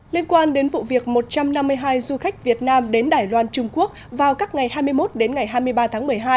liên quan đến vụ việc một trăm năm mươi hai du khách việt nam đến đài loan trung quốc vào các ngày hai mươi một đến ngày hai mươi ba tháng một mươi hai